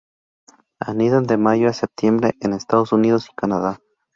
Anidan de mayo a septiembre en Estados Unidos y Canadá.